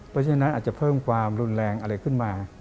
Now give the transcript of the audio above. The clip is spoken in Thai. เพราะฉะนั้นอาจจะเพิ่มความรุนแรงอะไรขึ้นมา